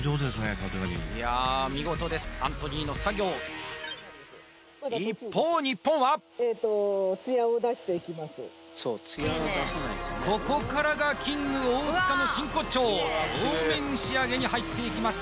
さすがにいや見事ですアントニーの作業一方日本はここからがキング大塚の真骨頂鏡面仕上げに入っていきます